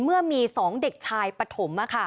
เมื่อมี๒เด็กชายปฐม